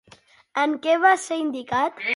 En què va ser iniciat?